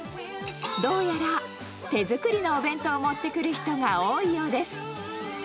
どうやら、手作りのお弁当を持ってくる人が多いようです。